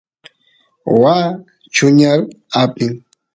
waa chuñar apin